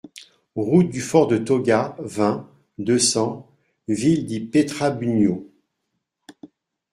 Route du Fort de Toga, vingt, deux cents Ville-di-Pietrabugno